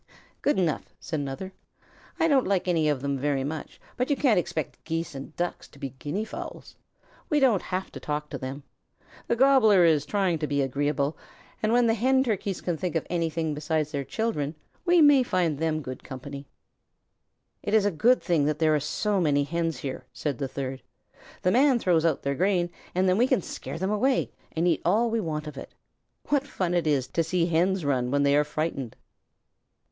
"Good enough," said another. "I don't like any of them very much, but you can't expect Geese and Ducks to be Guinea fowls. We don't have to talk to them. The Gobbler is trying to be agreeable, and when the Hen Turkeys can think of any thing besides their children we may find them good company." "It is a good thing that there are so many Hens here," said the third. "The Man throws out their grain and then we can scare them away and eat all we want of it. What fun it is to see Hens run when they are frightened!"